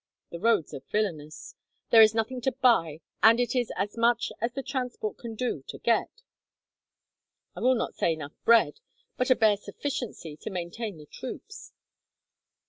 The roads are villainous. There is nothing to buy, and it is as much as the transport can do to get, I will not say enough bread, but a bare sufficiency to maintain the troops.